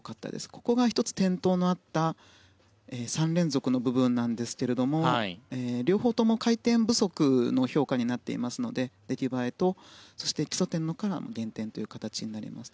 ここが１つ転倒のあった３連続の部分ですが両方とも回転不足の評価になっていますので出来栄えと基礎点から減点という形になります。